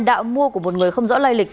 đạo mua của một người không rõ lây lịch